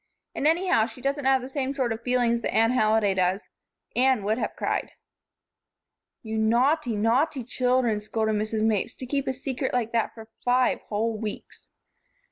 And anyhow, she doesn't have the same sort of feelings that Anne Halliday does. Anne would have cried." "You naughty, naughty children," scolded Mrs. Mapes, "to keep a secret like that for five whole weeks."